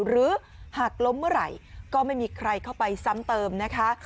หรือหากล้มเมื่อไหร่ก็ไม่มีใครเข้าไปซ้ำเติมนะคะ